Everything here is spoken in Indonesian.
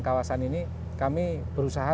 kawasan ini kami berusaha